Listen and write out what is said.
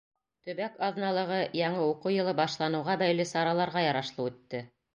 — Төбәк аҙналығы яңы уҡыу йылы башланыуға бәйле сараларға ярашлы үтте.